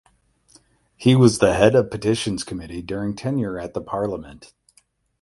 He was the head of the petitions committee during tenure at the Parliament.